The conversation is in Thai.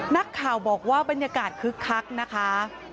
นักข่าวบอกว่าบรรยากาศคึกคักนะคะ